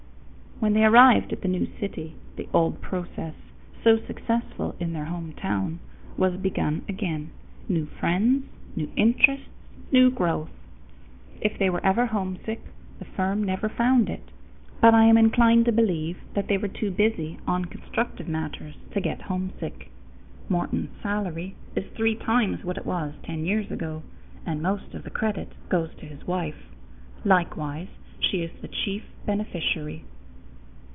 When they arrived at the new city, the old process, so successful in their home town, was begun again new friends, new interests, new growth. If they were ever homesick, the firm never found it out; but I am inclined to believe that they were too busy on constructive matters to get homesick. Morton's salary is three times what it was ten years ago, and most of the credit goes to his wife. Likewise she is the chief beneficiary.